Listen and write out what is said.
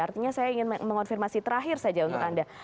artinya saya ingin mengonfirmasi terakhir saja untuk anda